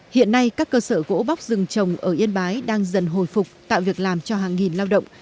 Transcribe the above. hiện nay các cơ sở gỗ bóc rừng trồng ở yên bái đang dần hồi phục tạo việc làm cho hàng nghìn lao động